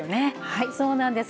はいそうなんです。